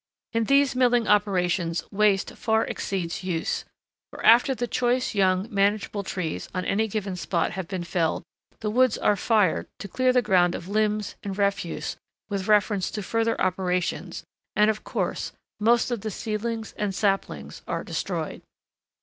In these milling operations waste far exceeds use, for after the choice young manageable trees on any given spot have been felled, the woods are fired to clear the ground of limbs and refuse with reference to further operations, and, of course, most of the seedlings and saplings are destroyed.